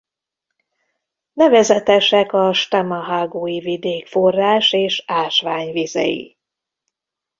Nevezetesek a Shtama-hágói vidék forrás- és ásványvizei.